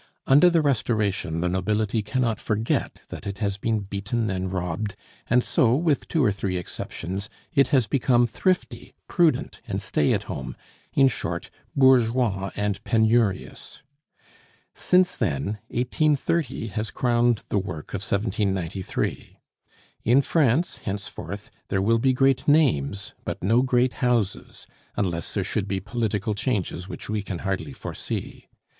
Under the Restoration the nobility cannot forget that it has been beaten and robbed, and so, with two or three exceptions, it has become thrifty, prudent, and stay at home, in short, bourgeois and penurious. Since then, 1830 has crowned the work of 1793. In France, henceforth, there will be great names, but no great houses, unless there should be political changes which we can hardly foresee.